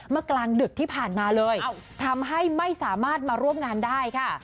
กลางดึกที่ผ่านมาเลยทำให้ไม่สามารถมาร่วมงานได้ค่ะ